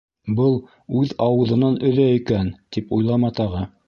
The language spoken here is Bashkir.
Был үҙ ауыҙынан өҙә икән, тип уйлама тағы.